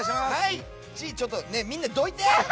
ちょっとみんな、どいて！